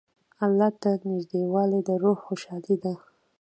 الله ته نېږدېوالی د روح خوشحالي ده.